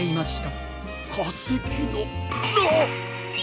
かせきのああっ！